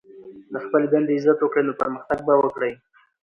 د خپلي دندې عزت وکړئ، نو پرمختګ به وکړئ!